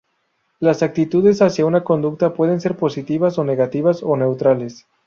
Las actitudes hacia una conducta pueden ser positivas, negativas o neutrales.